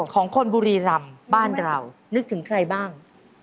ของคนบุรีรำบ้านเรานึกถึงใครบ้าง